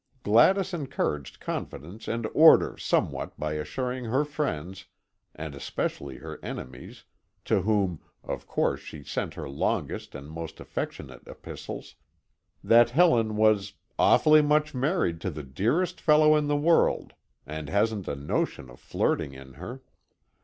Gladys encouraged confidence and order somewhat by assuring her friends, and especially her enemies, to whom, of course she sent her longest and most affectionate epistles, that Helen was "awfully much married to the dearest fellow in the world, and hasn't a notion of flirting in her."